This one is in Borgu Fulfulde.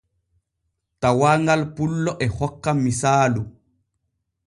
Tawaaŋal pullo e hokka misaalu.